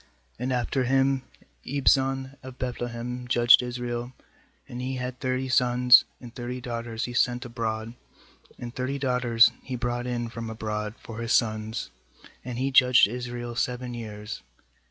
8And after him Ibzan of Beth lehem judge4 Israel. 9And he had thirty sons, and thirty daughters he sent abroad, and thirty daughters he brought in from abroad for his sons. And he judged Israel seven years.